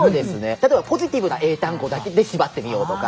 例えばポジティブな英単語だけで縛ってみようとか。